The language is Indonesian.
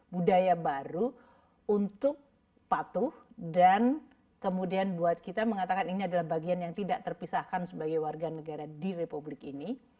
budaya baru untuk patuh dan kemudian buat kita mengatakan ini adalah bagian yang tidak terpisahkan sebagai warga negara di republik ini